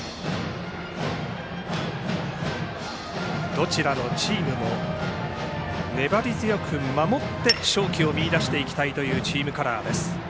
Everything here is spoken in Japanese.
どちらのチームも粘り強く守って勝機を見出していきたいチームカラーです。